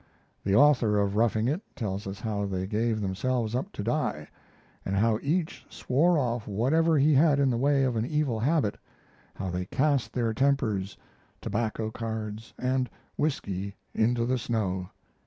The author of 'Roughing It' tells us how they gave themselves up to die, and how each swore off whatever he had in the way of an evil habit, how they cast their tempters tobacco, cards, and whisky into the snow.